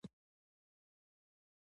د فیصلې هیڅ ماده نه منو.